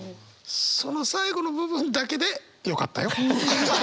その最後の部分だけでよかったよ。